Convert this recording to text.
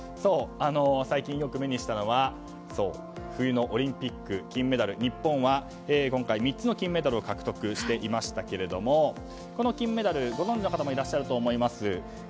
最近よく目にしたのは冬のオリンピック金メダル日本は今回３つの金メダルを獲得していましたけれどもこの金メダルご存知の方もいると思います。